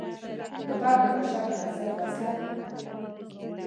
توپک د بشر پر ضد وسله ده.